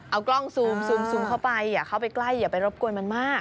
เอากล้องซูมเข้าไปใกล้อย่าไปรบกวนมันมาก